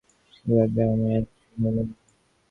সে রাত্রে আমার আর ঘুম হইল না।